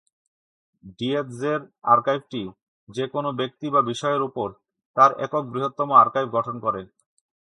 ডিয়েৎজের আর্কাইভটি যে কোন ব্যক্তি বা বিষয়ের উপর তার একক বৃহত্তম আর্কাইভ গঠন করে।